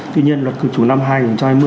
tuy nhiên luật cư trú năm hai nghìn hai mươi